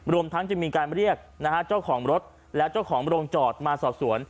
รวมทั้งจะมีการเรียกนะฮะเจ้าของรถและเจ้าของโรงจอดมาสอบสวน